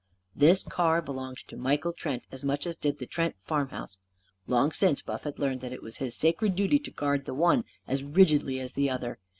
This car belonged to Michael Trent as much as did the Trent farmhouse. Long since, Buff had learned that it was his sacred duty to guard the one as rigidly as the other.